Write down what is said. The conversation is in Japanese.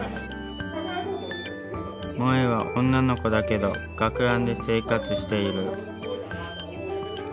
もえは女の子だけど学ランで生活している。